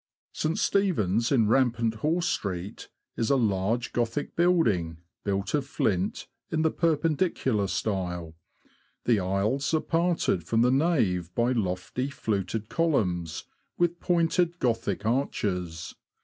St. Stephen's, in Rampant Horse Street, is a large Gothic building, built of flint, in the Perpendicular style. The aisles are parted from the nave by lofty, fluted columns, with pointed Gothic arches.